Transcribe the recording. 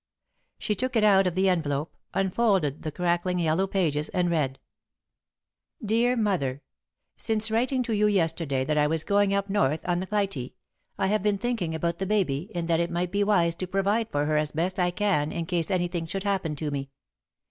She took it out of the envelope, unfolded the crackling, yellowed pages, and read: "Dear Mother; "Since writing to you yesterday that I was going up north on the Clytie, I have been thinking about the baby, and that it might be wise to provide for her as best I can in case anything should happen to me.